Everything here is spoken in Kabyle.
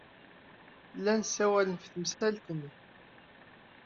Llan ssawalen ɣef temsalt-nni.